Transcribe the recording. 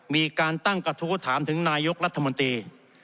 มีการตั้งกระทู้ถามถึงนายกรัฐมนตรี